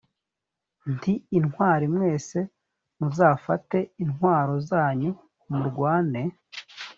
nti intwari mwese, muzafate intwaro zanyu murwane